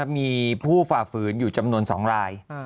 มีผู้ฝ่าฝืนอยู่จำนวน๒ราย